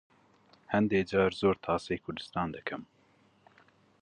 هەندێ جار زۆر تاسەی کوردستان دەکەم.